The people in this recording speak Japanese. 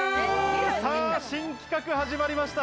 新企画、始まりました。